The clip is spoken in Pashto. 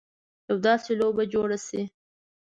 یوه داسې لوبه جوړه شي.